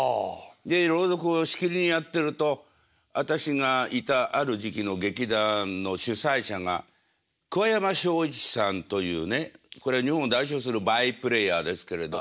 で朗読をしきりにやってると私がいたある時期の劇団の主宰者が桑山正一さんというねこれ日本を代表するバイプレーヤーですけれども。